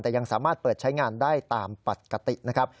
แต่ยังสามารถเปิดใช้งานได้ตามปกตินะครับ